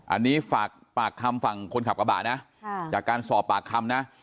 อันนี้ฝากปากคำฝั่งคนขับกระบะนะจากการสอบปากคำนะ